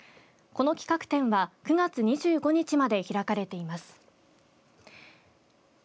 この企画展は９月２５日まで開かれています。